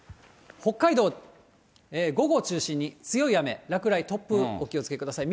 北海道、午後を中心に強い雨、落雷、突風、お気をつけください。